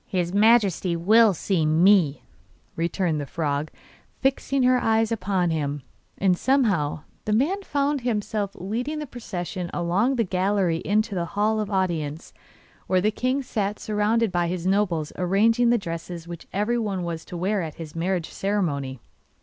'His Majesty will see ME,' returned the frog, fixing her eye upon him; and somehow the man found himself leading the procession along the gallery into the Hall of Audience, where the king sat surrounded by his nobles arranging the dresses which everyone was to wear at his marriage ceremony.